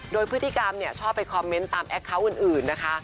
โดยพฤติกรรมชอบไปคอมเมนต์ตามแอคเคาน์อื่นนะคะ